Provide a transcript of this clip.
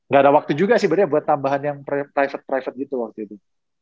gak ada waktu juga sih berarti buat tambahan yang private private gitu waktu itu